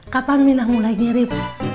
kapan minah mulai mirip